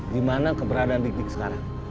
di mana keberadaan dik sekarang